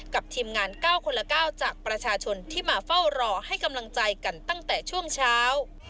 ทีมงาน๙คนละ๙จากประชาชนที่มาเฝ้ารอให้กำลังใจกันตั้งแต่ช่วงเช้า